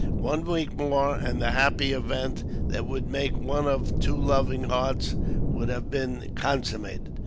One week more, and the happy event that would make one of two loving hearts would have been consummated.